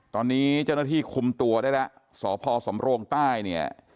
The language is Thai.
ตอนนี้เจ้าหน้าที่คุมตัวได้แล้วสภสมโล่งใต้